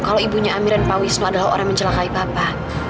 kalau ibunya amir dan pak wisnu adalah orang yang mencelakai bapak